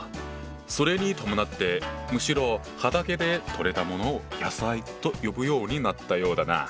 それに伴ってむしろ畑で取れたものを「野菜」と呼ぶようになったようだな。